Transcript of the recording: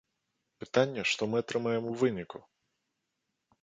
Пытанне, што мы атрымаем у выніку?